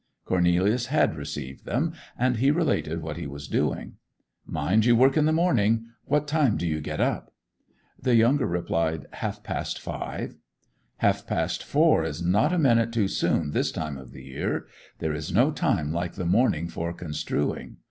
Cornelius had received them, and he related what he was doing. 'Mind you work in the morning. What time do you get up?' The younger replied: 'Half past five.' 'Half past four is not a minute too soon this time of the year. There is no time like the morning for construing.